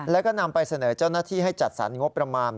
แล้วก็นำไปเสนอเจ้าหน้าที่ให้จัดสรรงบประมาณ